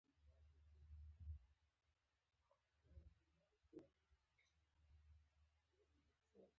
دلته يوه خبره تر غوږه رسیده چې دینونه اسماني پديدې نه دي